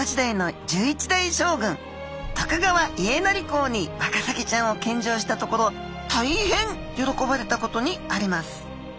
公にワカサギちゃんを献上したところ大変喜ばれたことにあります。